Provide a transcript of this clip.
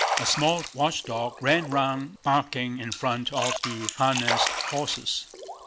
A small watchdog ran round barking in front of the harnessed horses.